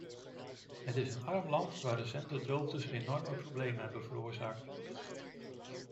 Het is een arm land waar recente droogtes enorme problemen hebben veroorzaakt.